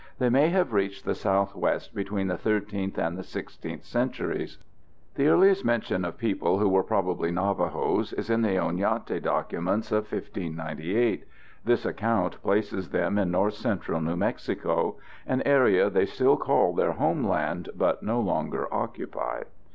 They may have reached the Southwest between the 13th and the 16th centuries. The earliest mention of people who were probably Navajos is in the Oñate documents of 1598. This account places them in north central New Mexico, an area they still call their homeland but no longer occupy.